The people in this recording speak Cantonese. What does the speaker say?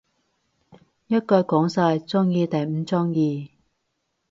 一句講晒，鍾意定唔鍾意